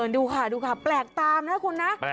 เออดูค่ะแปลกตามนะคุณนะ